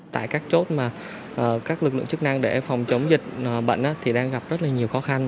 tại các chốt mà các lực lượng chức năng để phòng chống dịch bệnh thì đang gặp rất là nhiều khó khăn